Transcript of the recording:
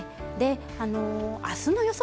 明日の予想